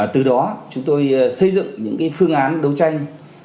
từ đó chúng tôi xây dựng những phương án đấu tranh